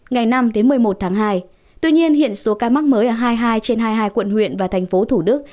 ngày năm một mươi một tháng hai tuy nhiên hiện số ca mắc mới ở hai mươi hai trên hai mươi hai quận huyện và tp thủ đức